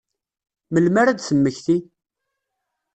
Melmi ara ad temmekti?